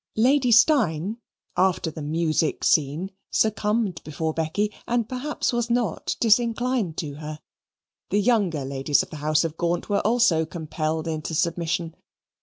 Lady Steyne, after the music scene, succumbed before Becky, and perhaps was not disinclined to her. The younger ladies of the house of Gaunt were also compelled into submission.